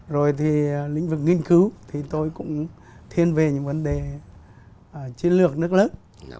rồi thì lĩnh vực nghiên cứu thì tôi cũng thiên về những vấn đề chiến lược nước lớn